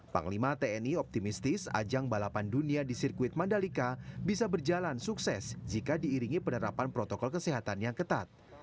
panglima tni optimistis ajang balapan dunia di sirkuit mandalika bisa berjalan sukses jika diiringi penerapan protokol kesehatan yang ketat